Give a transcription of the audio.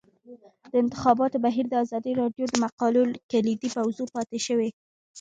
د انتخاباتو بهیر د ازادي راډیو د مقالو کلیدي موضوع پاتې شوی.